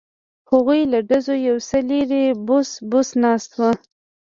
هغوی له ډزو یو څه لرې بوڅ بوڅ ناست وو.